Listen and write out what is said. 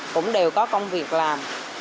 cũng đều có công việc làm